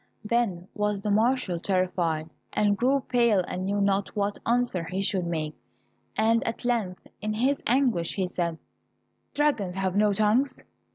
Then was the marshal terrified, and grew pale and knew not what answer he should make, and at length in his anguish he said, "Dragons have no tongues."